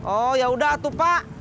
oh yaudah tuh pak